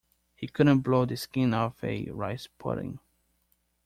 He couldn't blow the skin off a rice pudding.